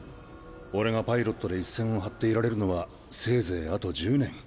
俺がパイロットで一線を張っていられるのはせいぜいあと１０年。